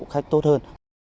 khách tốt hơn